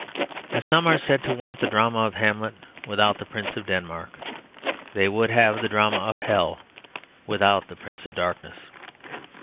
As some are said to want the drama of Hamlet without the Prince of Denmark, they would have the drama of Hell without the Prince of Darkness.